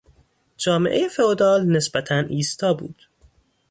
جامعهی فئودال نسبتا ایستا بود.